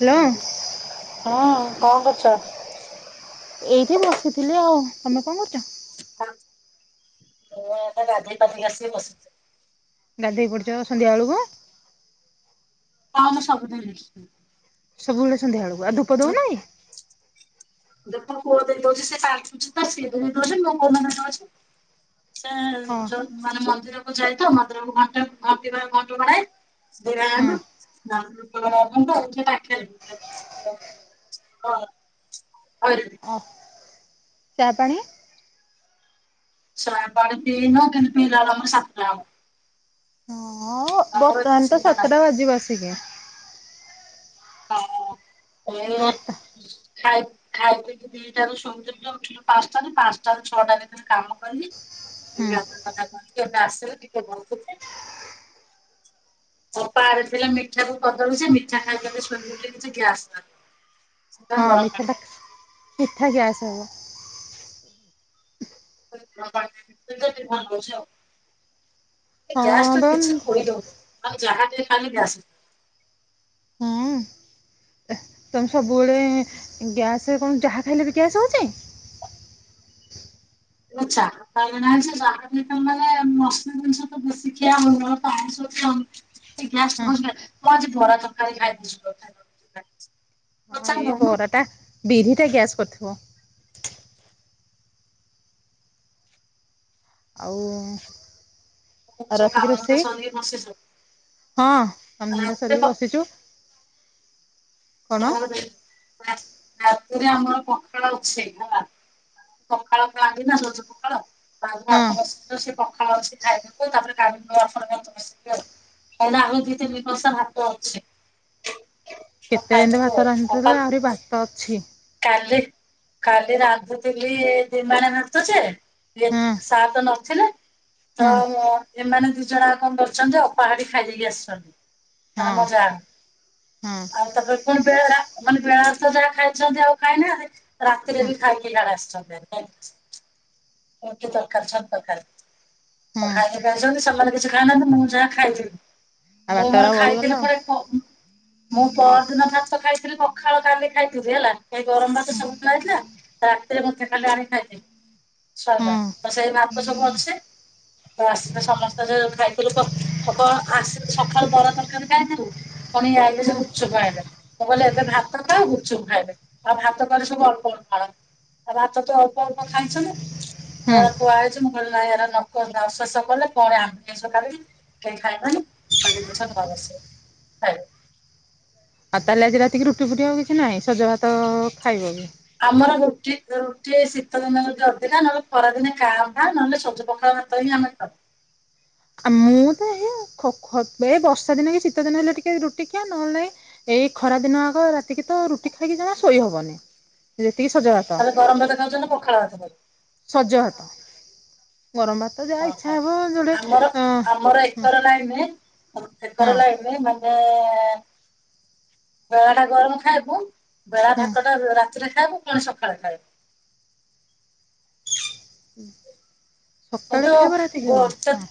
Hello ହଁ କଣ କରୁଛ? ଏଇଠି ବସିଥିଲି ଆଉ ତମେ କଣ କରୁଛ? [inaudible] ଗାଧେଇପାଧେଇ ଆସି ବସିଛି। ଗାଧେଇ ପଡ଼ିଛ ସନ୍ଧ୍ୟା ବେଳକୁ? ହଁ ମୁଁ ସବୁଦିନି। ସବୁବେଳେ ସନ୍ଧ୍ୟାବେଳୁ ଧୂପ ଦଉନାଁ କୁଅ ଦେଇଦଉଛି ସେ କାଛି ତ ସେ ଦେଇ ଦଉଛନ୍ତି ମୁୋ କୋଉ ମ ଦଉଛି। ସେ ହଁ ଯଉ ମାନେ ମନ୍ଦିର ଯାଇ ତ ମନ୍ଦିର କୁ ଘଣ୍ ଘଣ୍ଟ ଘଣ୍ଟି ବାଡାଏ ଦି ଭାଇ ହଁ ଯାଙ୍କ। ହଁ ଆରେ ଚାହା ପାଣି? ସୟପାଡ଼ ପଇନ ପିଇଲା ବେଳୁ ସାତଟା ହବ। ହଁ ଆମର ଏତେ ବର୍ତ୍ତମାନ ତ ଶୀଘ୍ର ନାହିଁ। ସାତଟା ବାଜିବ ଆସିକି। ହଁ ଆ ବର୍ତ୍ତ ଖାଇ ଖାଇ ପଇକି ଦିଟାରୁ ଶୋଇ ଉଠିଲୁ ପାଞ୍ଚଟାରୁ ପାଞ୍ଚଟ ର ଛଅଟା ଭିତରେ କାମ କଲି ହୁଁ [inaudible] ଆସିଲ ଟିକେ ଭଲୁପା ଆଡେ ଥିଲା ମିଠା କୁ କଦଳୀ ଯେ ମିଠା ଖାଇ [unintelligible] କିଛି ଗ୍ୟାସ ନାହିଁ। ହଁ ମିଠା ଟା ମିଠା ଗ୍ୟାସ ହବ। ଲୁଣ ପାଣି ଟିକେ ପିଇଚି ଟିକେ ଭଲ ଲାଗୁଚି ଆଉ। ଗ୍ୟାସ ହଁ ଟା ବା କିଛି ଖୋଇଦେଉନି। ଜାହା ଟିକେ ଖାଇଲି ଗ୍ୟାସ ହୁଁ ତମେ ସବୁବେଳେ ଗ୍ୟାସ କଣ ଯାହା ଖାଇଲେ ବି ଗ୍ୟାସ୍ ହଉଛି। ଚା ନାହି ମାନେ ମସଲା ଜିନିଷ ତ ବେଶୀ ଖିଆ ହଉନି ତ ମୁଁ ଆଇଁଷ ଖାଉନି ଟି ହଁ ଗ୍ୟାସ ହଉଛି କାଇଁ ମୁଁ ଆଜି ବରା ତରକାରୀ ଖାଇଛି। ହେ ବରା ଟା ବିରି ଟା ଗ୍ୟାସ କରୁଥିବ ଆଉ ଆଉ ସବୁ ରାତିକି କାମଧନ୍ଦା ରୋଷେଇ ସରି କି ବସି ଛି ହଁ କାମଧନ୍ଦା ସାରିକି ବସିଛୁ [unintelligible] କଣ ଯି ଆମର ପଖାଳ ଅଛି ହେଲା ପଖାଳ ଖାଆନ୍ତି ନା ସଜ ପଖାଳ କାଲିଠୁ ହଁ ଆଠ ଦଶ ଦିନର ସେ ପଖାଳ ପଖାଳ ଅଛି ଖାଇଦୋବୁ ତାପରେ [unintelligible] ଦିି ତିନି କଂସା ଭାତ ଅଛି। ମୁଁ କେତେ କେନ୍ତୀ ଖାଇଦେବି ଭାତ ଆଉ ରାନ୍ଧିଥିଲେ ଅପା ଆହୁରି ଭାତ ଅଛି? [inaudible] କାଲି କାଲି ରାନ୍ଧୁଥିଲି ଦିମାଣ ଭାତ ଯେ ଇଏ ହଁ ସାତ ନ ଛେନେ। [inaudible] ହଁ ଏମାନେ ଦି ଜଣ କଣ କରଛନ୍ତି, ଅପା ଘଟି ଖାଇଦେଇ କି ଆସିଛନ୍ତି ମାନେ ହଁ ମ ଜାଆ ହଁ [inaudible] ଆଉ ତାଙ୍କ କଣ ବେଳା ମାନେ ବେଳାସ ଯାହା ଖାଇ ଛନ୍ତି ଆଉ ଖାଇନା ରାତିରେ ହଁ ବି ଖାଇକି ନା ଆସିଛନ୍ତି [inaudible] ଏତେ ତରକାରୀ ଛତୁ ତରକାରୀ ତ ହଁ ଖାଇଲେ ଖାଇଛନ୍ତି ସେମାନେ କିଛି ଖାଇନାହାନ୍ତି ମୁଁ ଯାହା ଖାଇଥିବି ଆଉ ମୁଁ ଭାତରା ମୋର ବଳିଗଲା ଖାଇଥିଲି ଆଉ। ଥରେ ମୁଁ ପରଦିନ ଭାତ ଖାଇ ରାତିରେ ପଖାଳ କାଲି ଖାଇଥିଲି ହେଲା। ଗରମ ଭାତ ସବୁ ଥୁଆହେଇଥିଲା, ରାତିରେ ମତେ ଖାଲି ଆ ଖାଇଥିଲି ସରିଲା ହୁଁ ତ ସେଇ ଭାତ ସବୁ ଅଛି ତ ଆସିଲେ ସମସ୍ତେ ସଇଲା ତ ସେଇ ଭାତ ସବୁ ଅଛି ବାସ ସମସ୍ତେ ଖାଇଥିଲୁ ଆସିକି ସକାଳୁ ବରା ତରକାରୀ ଖାଇଥିଲୁ ପୁଣି ଇଏ ଆଇଲେ ଯେ ଗୁପଚୁପ ଆଣିଲେ ଖାଇଲେ ମୁଁ କହିଲି ଏବେ ଭାତ ଖାଅ ଗୁପଚୁପ ଖାଇଲେ ଆଉ ଭାତ କହିଲେ ସବୁ ଅଳ୍ପ ଆଣ ଆଉ ଭାତ ତ ଅଳ୍ପ ଅଳ୍ପ ଖାଇଛନ୍ତି। ହୁଁ ସେରା ଥୁଆହେଇଛି ମୁଁ କହିଲି ନାଇ ଏରା ନ ଶେଷ କଲେ ପୁଣି ଆମିସ କରିବି କେହି ଖାଇବାନି ଆଉ ତାହେଲେ ଆଜି ରାତିକି ରୁଟି ଫୁଟି ଆଉ କିଛି ନାହିଁ, ସଜ ଭାତ ଖାଇବ କି ଆମର ରୁଟି ରୁଟି ଶୀତ ଦିନ ଟିକେ ଅଧିକା ନହେଲେ ଖରାଦିନେ କା ବା ନହେଲେ ସଜ ପଖାଳ ଭାତ ହିଁ ଆମେ ଖାଉ। ଆ ମୁଁ ତ ଏଇଆ ଖୋ-ଏଇ ବର୍ଷା ଦିନ କି ଶୀତ ଦିନ ହେଲେ ଟିକେ ରୁଟି ଖିଆ ନହେଲେନାଇ, ଏଇ ଖରା ଦିନ ଆଗ ରାତିକି ତ ରୁଟି ଖାଇକି ଜମା ଶୋଇ ହବନି। ଯେତିକି ସଜ ଭାତ। ତମେ ଗରମ ଭାତ ଖାଉଛ, ମୁଁ ପଖାଳ ଭାତ ଖାଉଚି। ସଜ ଭାତ ଗରମ ଭାତ ଯାହା ଇଚ୍ଛା ହବ ଯୋଡେ ଆମର ଆମର ହଁ ଏକର ନାଇଁ ନୁହେଁ ଆମ ସ କରର ହଁ ଲାଗିେ [unintelligible] ତା ଆ ଆ ବେଳା ଟା ଗରମ ଖାଇବୁ? ବେଳା ହଁ ଭାତଟା ରାତିରେ ତାକୁ କଣ ସକାଳେ ଖାଇବୁ [inaudible] [inaudible] ସକାଳେ କିନ୍ତୁ ଖାଇବ ରାତି ଖାଇବ ଗୋଟେ ହଁ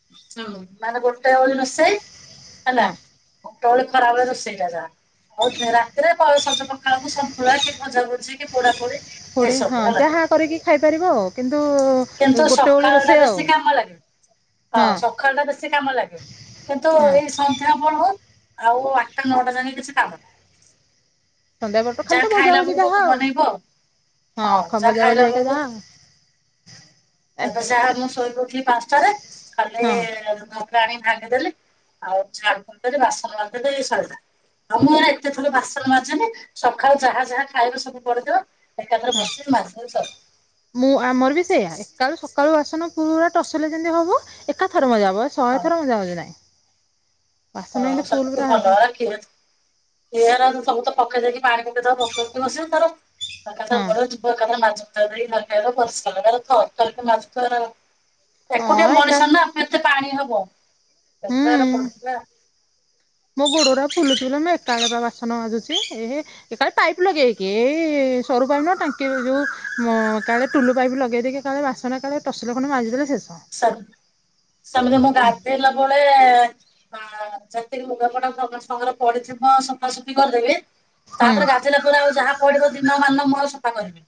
[inaudible] ମାନେ ପ ଗୋଟେ ଓଳି ରୋଷେଇ ହେଲା ହଁ। ଗୋଟେ ଓଳି ଖରା ବେଳେ ରୋଷେଇଟା ଯାହା ଆଉ ରାତିରେ ପର ସ ପଖାଳ କୁ ସନ୍ତୁଳା କି ଭଜା ଭୂଜି କି ପୋଡା ପୋଡି କୋଡେ ହଁ ଏସବୁ ହେଲା ଯାହା କରିକି ଖାଇପାରିବ ଆଉ କିନ୍ତୁ କିନ୍ତୁ ଗୋଟେ ଓଳି ସକାଳ ଟା ରୋଷେଇ ଆଉ ବେଶୀ କାମ ଲାଗେ [inaudible] ହଁ ସକାଳଟା ବେଶୀ କାମ ଲାଗେ କିନ୍ତୁ ହଁ ଏଇ ସନ୍ଧ୍ୟା ପର ହୋଉ ଆଉ ଆଠଟା ନଅଟା ଯାକେ କିଛି କାମ ନାହିଁ। ସନ୍ଧ୍ୟାବେଳ ତ ଖାଲି ଯାହା ତ ଭଜା ଖାଇଲା ଭଜି ବେଳକୁ ଯାହା ଆଉ ବନେଇବ ହଁ ଅଖ ଯାହା ଭଜା ଖାଇଲା ଭଜି ହେଇ କି ବେଳକୁ ଯାହା ଆ [inaudible] ଏବେ ଯାହା ମୁଁ ଶୋଇକି ଉଠିଲି ପାଞ୍ଚଟାରେ ହଁ କାଲି ପାଣି ଭାଙ୍ଗିଦେଲି ଆଉ ଝା କରିଦେଲି ବାସନ ମାଜି ଦେଲି ସଇଲା ଆଉ ମୁଁ ଏର ଏତେ ଥର ବାସନ ମାଜୁନି ସକାଳୁ ଯାହା ଯାହା ଖାଇବେ ସବୁ ପଡ଼ିଥିବ ହଁ [inaudible] ମୁଁ ଆମର ବି ସେଇୟା। କାଲ ସ ସକାଳୁ ବାସନ ପୁରା ଟସଲେ ଯେମିତି ହବ ଏକାଥରେ ମଜା ହବ ମୋର ଶହେ ହଁ ଥର ମଜା ମୁଜି ନାହଁ। ହଁ ସେଟାତ ଭଲ, ହଁ ଏରା [inaudible] ହେରା ସବୁତ ପକେଇ ଯାଇକି ପାଣି ପଟେଇଦବା ବତୁରୁ ଥିବ ସେ ତାର ତା କଥା ଯିବ କଥା ଏକା ମାଛ [unintelligible] ଏକୁଆ ହଁ ଏକା ମଣିଷ ନା ଫୁଣି ଏତେ ପାଣି ହବ ପ ଦଶରା ହୁଁ ପହଁଚିଲା ମୋ ଗୋଡଟା ଫୁଲୁଛି ବଲେ ମୁଁ ଏକାଳଳେ ବା ବାସନ ମାଜୁଛି ଏ ଏକାଳେ ପାଇପ୍ ଲଗେଇକି ଏଇ ସରୁ ପାଇପ୍ ନ ଟାଙ୍କି ଯୋଉ କାଳେ ଟୁଲୁ ପାଇପ୍ ଲଗେଇଦେଇକିାଳେ ବାସନ କାଳେ ଟସିଲ ଖଣ୍ଡ ମାଜିଦେଲେ ସେ ସାର ସମାନେ ମୁଁ ହଁ ଗାଧେଇଲା ବଳେ ଆ ଜତି ମୁଗାପଟା ସାଙ୍ଗରେ ପଡିଥିବ ସଫାସଫି କରିଦେବି ହୁଁ ତାପରେ ଗାଧେଇଲା ପରେ ଆଉ ଯାହା ପଡିବ ଦିନମାନ ମୋର ସଫା କରିଵି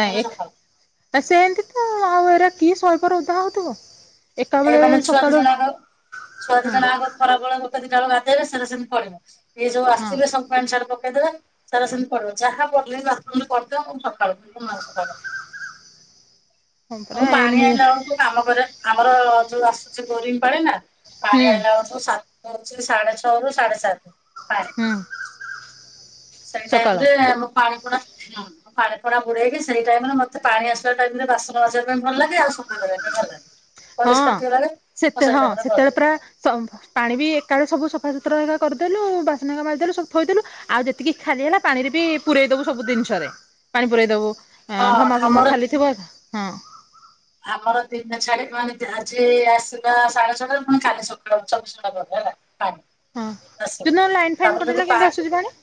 ନାଇଁ ନା ସେମିତି ତ ଆଉ ଏରା କିଏ ସଏ ଥର ଓଦା ହଉଥିବ ଏ ଏକାବେଳେ ମାନେ ଛୁଆ ସକାଳୁ ଦିଜଣଙ୍କର ଛୁଆ ହଁ ଦିଜଣ ଆଗ ଖରା ବଳ ଯଦି ତାର ଗାଧେଇବ ସେରା ସେମତି ପଡ଼ିବ। ଏଇ ଯୋଉ ହଁ ଆସିଥିଲେ ସବୁ ପାଣ୍ଟସାର୍ଟ ପ ହେଥିରେ ସେରା ସେମତି ପଡିବ, ଯାହା ପଡିଲେବି ବାଥରୁମ ରେ ପଡ଼ିଥିବ ମୁଁ ସକାଳୁ ମୁଇ ସଫା କରେ। ହଁ ପରା ଆଉ ଏ ପାଣି ମୁଁ ଆଣିଲା ବେଳକୁ କାମ କରେ ଆଉ ଆମର ଯୋଉ ଆସୁଚି ବୋରିଙ୍ଗ ପାଣି ନା ହୁଁ ପାଣି ଆଇଲା ଅଳୁକୁ ସାତ ଦଉଚି ସାଢେ ଛଅରୁୁ ସାଢେ ସାତ। ପାଣି। ହୁଁ ସେଇ ସକାଳ ଟାଇମରେ ଆମ ପାଣି ପୁଣା ଫିଉନୁ। ଆଉ ପାଣି ପୁଣା ପୁରେଇକି ସେଇ ଟାଇମ ରେ ମତେ ପାଣି ଆସିବା ଟାଇମ ରେ ବାସନ ମାଜିବା ପାଇଁ ଭଲ ଲାଗେ, ଆଉ ସଫା କରିବା ପାଇଁ ଭଲ ଲାଗେ। ହଁ ପରିଷ୍କାର ଟିକେ ଲାଗେ ମୁଁ ସେତ ସେଇ ହଁ ଟାଇମ ରେ ସେତେବେଳେ କରିଦିଏ ପୁରା ପାଣି ବି ଏକାବେଳେ ସବୁ ସଫା ସୁତ ସୁତ୍ର ହରିକା କରିଦେଲୁ ବାସନ ହରିକା ମାଜିଦେଲୁ ସବୁ ଥୋଇଦେଲୁ ଆଉ ଯେତିକି ଖାଲି ହେଲା ପାଣିରେ ବି ପୁରେଇଦବୁ ସବୁ ଜିନିଷରେ ପାଣି ପୁରେଇଦବୁ ଏଁ ହଁ ଢମାଫମା ଆମର ଖାଲିଥିବ ହେକା ହଁ। ଆମର ଦିନେ ଛାଡି ମାନେ ଆଜି ଆସିବା ସାଢେ ଛଅଟାରୁ ପୁଣି କାଲି ସକାଳ ଚବିଶ ଘଣ୍ଟା ପରେ ହେଲା। ପାଣି ହଁ ଆସିବ। ଯଉଦିନ ଲାଇନଫାଇନ ତାପରେ ଯଦି କଟିଗଲା କିଂତି ଆଶୁଛି ପାଣି?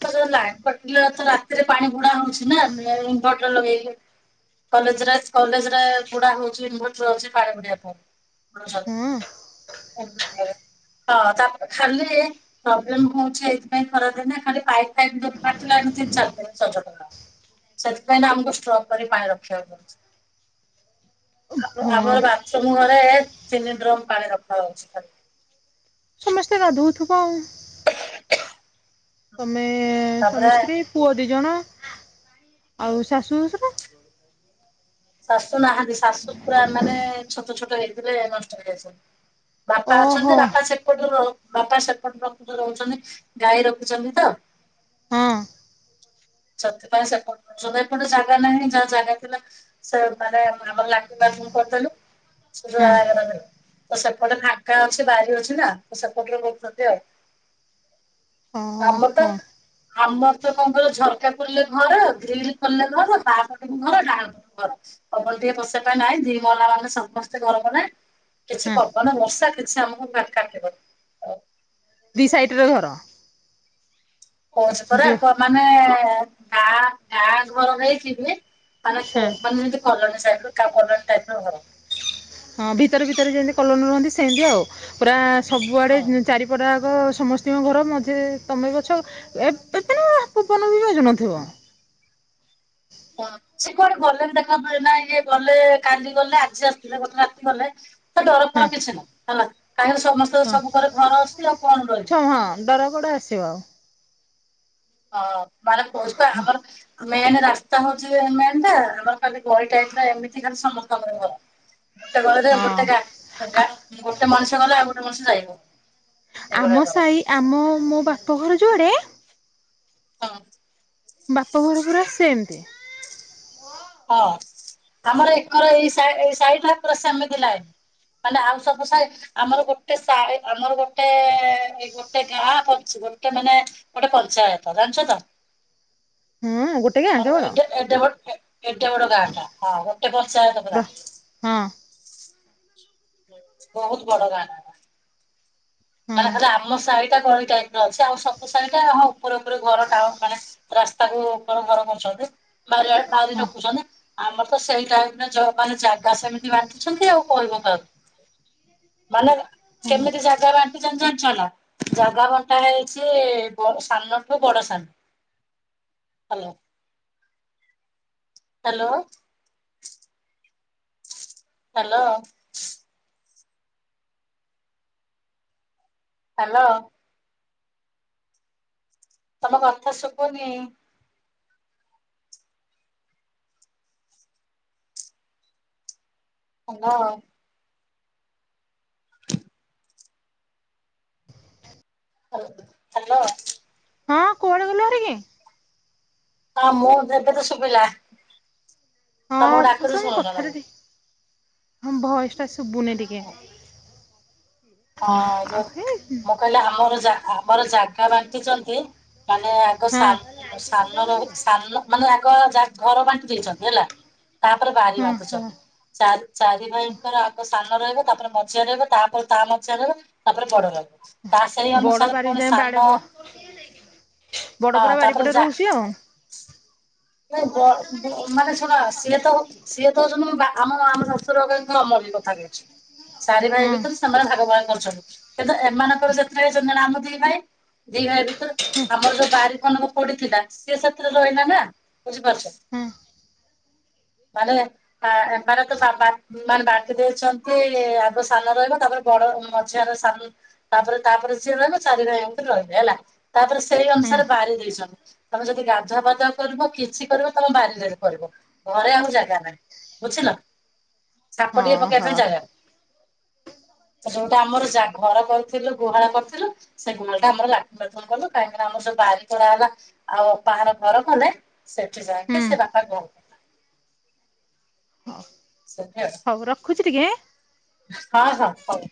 [unintelligible] ଲାଇନ୍ କଟଥିଲା ରାତିରେ ପାଣି ଭୁଡା ହଉଚି ନା ଇନଭଟର ଲଗେଇକି କଲେଜରେ କଲେଜରେ ବୁଡା ହଉଚି ଇନଭଟର ଅଛି ପାଣି ବୁଡେଇଆକୁ [unintelligible] ହଁ ହଁ ତା ପରେ ଖାଲି ପ୍ରବ୍ଲେମ୍ ହଁଉଚି ଏଇଥିପାଇଁ ଖରାଦିନେ ଖାଲି ପାଇପ୍ ଫାଇପ୍ ଯଦି ଫାଟିଲା ଏଇନୁ ତିନି ଚାରଦିନି ସଜଡ଼ା ହବ। ସେଥିପାଇଁ ନା ଆମକୁ ଷ୍ଟ୍ରକ୍ କରି ପାଣି ରଖିବାକୁ ପଡୁଛି। ଆଉ ହଁ ଆମର ବାଥ୍ରୁମ୍ ଘରେ ତିନି ଡ୍ରମ୍ ପାଣି ରଖାହଉଚି ଖାଲି ସମସ୍ତେ ଗାଧଉଥିବ ଆଉ। ତମେ ସ୍ବାମୀ, ତାପରେ ସ୍ତ୍ରୀ ପୁଅ ଦି ଜଣ ଆଉ ଶାଶୁ ଶଶୁର ଶାଶୁ ନାହାନ୍ତି ଶାଶୁ ପୁରା ମାନେ ଛୋଟ ଛୋଟ ହେଇଥିଲେ ନଷ୍ଟ ହେଇଯାଇଛନ୍ତି ବାପା ଅଛନ୍ତି ଓହୋ ବାପା ସେପଟରୁ ବାପା ସେପଟ ରଖୁ ରହୁଛନ୍ତି ଗାଈ ରଖୁଚନ୍ତି ତ ହଁ। ସେଥିପାଇଁ ସେପଟରେ ଏପଟେ ଜାଗା ନାହିଁ ଯାହା ଜାଗା ଥିଲା ସେ ମାନେ ଆମ ଲାଟିନ ବାଥରୁମ୍ ହଁ କରିଦେଲୁ ତ ସେପଟେ ଫାଙ୍କା ଅଛି ବାରି ଅଛି ନା ତ ସେପଟରେ ରହୁଛନ୍ତି ଆଉ। ଅଁ ଅଁ ଆମର ତ ହଁ ଆମର ତ କଣ କହିଲ ଝରକା ଖୋଲିଲେ ଘର ଗ୍ରିଲ୍ ଖୋଲିଲେ ଘର ବାଁ ପଟକୁ ଘର ଡାହାଣ ପଟକୁ ଘର ଅଛି ପବନ ଟିକେ ପଶିବା ପାଇଁ ନାଇଁ ଦି ମହଲା ମାନେ ସମସ୍ତେ ଗରମରେ କିଛି ହଁ ପବନ, ବର୍ଷା [unintelligible] ଦି ସାଇଟ ରେ ଘର ହଉଛି ପରା ଯୋଉ ପ ମାନେ ଏ ଗାଁ ଗାଁ ଘର ହେଇଥିଲେ ମାନେ ହଁ। କମ୍ପାନି ହଉଛି କଲୋନୀ ସା ଟା କଲୋନି ଟାଇପର ଘର। ହଁ ଭିତରେ ଭିତରେ ଯେମିତି କଲୋନି ରୁହନ୍ତି ସେମିତି ଆଉ ପୁରା ସବୁଆଡ଼େ ହଁ। ଉ ଚାରିପଟା ଉଁ ସମସ୍ତିଙ୍କ ଘର ମଝିରେ ତମେ ଅଛ ଏ ଏବେ ନା ପବନ ବି ବାଜୁ ନ ଥିବ। ହଁ ସେ କୁଆଡେ ଗଲେ ବି ଦେଖାକୁ ପ ନାଇ ଇଏ ଗଲେ କାଲି ଗଲେ ଆଜି ଆସିଥିଲେ ଗତ ରାତି ଗଲେ ତେ ଡର ହଁ ଫର କିଛି ନାହିଁ ହେଲା। କାହିଁକି ତ ସମସ୍ତ ହଁ ସବୁ ପରେ ଘର ଅଛି ଆଉ କଣ ଛ ଡରିବୁ। ହଁ ଡର କୁଆଡ଼େ ଆସିବ ହଁ ମାନେ କହୁଛି ପା ଆମର ମେନ ରାସ୍ତା ହଉଛି ମେନ ଟା ଆମର ଖାଲି ଗଳି ଟା ହେଇଥିଲା ଏମିତି ଖାଲି ସମସ୍ତଙ୍କର ଘର। ଗୋଟେ ଗଳି ଯେ ଆଉ ଗୋଟେ ଗା ଗା ହଁ ଗୋଟେ ମଣିଷ ଗଲେ ଆଉ ଗୋଟେ ମଣିଷ ଯାଇ ହବ। ଆମ ସାହି ଆମ ମୋ ବାପ ଘର ଯୁଆଡେ ହଁ ବାପ ଘର ପୁରା ସେମିତି। ହଁ ଆମର ଏକର ଏଇ ସା ଏଇ ସାଇ ଟା ପୁରା ସେମିତି ଲାଇନ ମାନେ ଆଉ ସବୁ ସାଇ ଆମର ଗୋଟେ ସାଇ ଆମର ଗୋଟେ ଏଇ ଗୋଟେ ଗାଁ ପଞ୍ଚ ଗୋଟେ ମାନେ ଗୋଟେ ପଞ୍ଚାୟତ ଜାଣିଛ ତ। ହୁଁ ଗୋଟେ ଗାଁ ଆଉ କେବଳ ଏଡେ ଏଡେ ବଡ ଏ ଏଡେ ବଡ ଗାଁ ଟା ହଁ ଗୋ ଟେ ପଞ୍ଚାୟତ ପୁରା। ହଁ ହୁଁ ବହୁତ ବଡ ଗାଁ [inaudible] ହଁ ମାନେ ଖାଲି ଆମ ସାଇ ଟା ଗଳି ଟା ଅଛି ଆଉ ସବୁ ସାହିଟା ହଁ ଉପରେ ଉପରେ ଘର ଟା ମାନେ ରାସ୍ତାକୁ ବରଂ ଘର କରୁଛନ୍ତି। ବାର ବାର ହଁ ରଖୁଛନ୍ତି ଆମର ତ ସେଇ ଟାଇପରେ ଜ ମାନେ ଜାଗା ସେମିତି ବାଣ୍ଟିଛନ୍ତି ଆଉ କହିବ କାହାକୁ। ମାନେ ହଁ ସେମିତି ଜାଗା ବାଣ ନ ଚଲା ଜାଗା ବଣ୍ଟା ହେଇଛି ବଡ ସାନଠୁ ବଡ ସାନ। ହ୍ୟାଲୋ ହ୍ୟାଲୋ ହ୍ୟାଲୋ ହ୍ୟାଲୋ ତମ କଥା ଶୁଭୁନି। ହାଲୋ ହ ହାଲୋ ହଁ କୁଆଡେ ଗଲ ଭାରିକି। ହଁ ମୁଁ ଦେବେ ତ ଶୁଭିଲା। ହଁ ତମକୁ ତୁ ଡାକୁଛି ତମ ଶୁଣୁନ। କଥାଟା ଟିକେ ହଁ ଭଏସ ଟା ସୁୁବୁନି ଟିକେ। ହଁ ଯଉ ଆଉ ହେ ମୁଁ କହିଲି ଆମର ଆମର ଜାଗା ବାଣ୍ଟିଛନ୍ତି ମାନେ ଆଗ ହଁ ସାନର ମାନେ କ ଯା ଘର ବାଣ୍ଟି ଦେଇଛନ୍ତି ହେଲା ତାପରେ ବାରି ହଁ ହଁ ବାଟୁଛନ୍ତି। ଚାରି ଭାଇଙ୍କର ଆଗ ସାନ ରହିବ ତାପରେ ମଝିଆ ରହିବ ତାପରେ ତା ମଝିଆ ରହିବ ତାପରେ ବଡ ର ତା ସେଇ ବଡ ଅନୁସାରେ ବାରି ପୁଣି ଯାଏଁ ସାନ ବାଡେ ହଁ ବଡ ପରା ତାପରେ ବାରିପଟେ ଯା ରହୁଛି ଆଉ। ମାନେ ଶୁଣ ସିଏ ତ ସିଏ ତ ହଉଛନ୍ତି ଆମ ବାପା ଶଶୁର ଅମଳ ର କଥା କହିବେ। ଚାରି ଭାଇ ହଁ ଭିତରେ ସେମାନେ ଭାଗ ଭାଗ କରୁଛନ୍ତି। ଏବେ ଏମାନଙ୍କର ଯେତେ ଜଣ ଜଣ ଆମ ଦି ଭାଇ ଦି ଭାଇ ଭିତରୁ ଆମର ଯୋଉ ବାରିିଖଣ୍ଡକ ପଡିଥିଲା ସିଏ ସେଥିରେ ରହିଲା ନା। ବୁଝିପାରୁଛ ହଁ ମାନେ ଏମାନେ ତ ମାନେ ବାଣ୍ଟି ଦେଇଛନ୍ତି ଆଗ ସାନ ରହିବ ତାପରେ ବଡ ମଝିଆର ସାନ ତାପରେ ତାପରେ ଯିଏ ରହିବ ଚାରିରେ ଏମିତି ରହିବେ ହେଲା ତାପରେ ସେଇ ହଁ ଅନୁସାରେ ବାରି ଦେଇଛନ୍ତି। ତମେ ଯଦି ଗାଧୁଆ ପାଧୁଆ କରିବ କି କିଛି କରିବ ତମ ବାରିରେ ବି କରିବ ଘରେ ଆଉ ଜାଗା ନାହିଁ ବୁଝିଲ। ଛାପ ଟିକେ ହଁ ପକେଇବା ହଁ ପାଇଁ ଜାଗା ଯୋଉଟା ଆମର ଯାହା ଘର କରିଥିଲୁ ଗୁହାଳ କରିଥିଲୁ ସେ ଗୁହାଳ ଟା ଆମର ଲାଟିନ ବାଥରୁମ କଲୁ କାହିଁକିନା ଆମର ଯୋଉ ବାରିିକରାହେଲା ହେଲା ଆଉ ବାହାର ଘର କଲେ। ସେଠି ଯାଇକି ହୁଁ ସେ ବାଟ ଗଣୁଥିଲା। ସଖା [unintelligible] ଅଛି ଟିକେ। ହଁ ହଁ ହଉ।